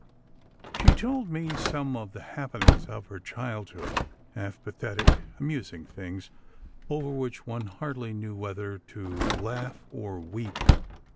She told me some of the happenings of her childhood, half pathetic, amusing things, over which one hardly knew whether to laugh or weep.